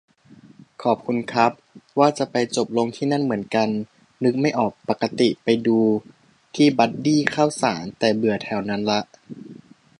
ขอบคุณครับ ว่าจะไปจบลงที่นั่นเหมือนกัน นึกไม่ออก ปกติไปดูที่บัดดี้ข้าวสาร แต่เบื่อแถวนั้นละ